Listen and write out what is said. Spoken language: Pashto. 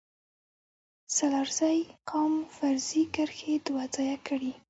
سلارزی قوم فرضي کرښې دوه ځايه کړي